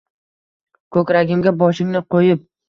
Ko’kragimga boshingni qo’yib